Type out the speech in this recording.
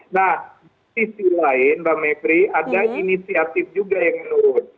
nah di sisi lain mbak mepri ada inisiatif juga yang menurun